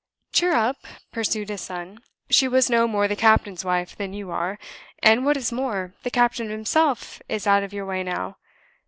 "Cheer up!" pursued his son. "She was no more the captain's wife than you are; and what is more, the captain himself is out of your way now.